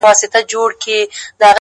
جرس فرهاد زما نژدې ملگرى;